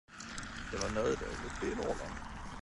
Det var nödår uppe i Norrland.